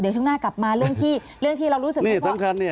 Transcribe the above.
เดี๋ยวช่วงหน้ากลับมาเรื่องที่เรื่องที่เรารู้สึกมีความสำคัญ